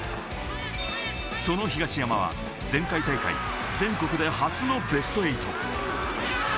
その東山は前回大会、全国で初のベスト８。